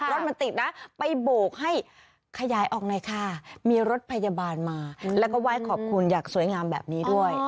รถมันติดนะไปโบกให้ขยายออกหน่อยค่ะมีรถพยาบาลมาแล้วก็ไหว้ขอบคุณอย่างสวยงามแบบนี้ด้วย